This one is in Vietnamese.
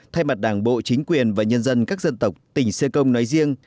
thay mặt đảng bộ chính quyền và nhân dân các dân tộc tỉnh xê công nói riêng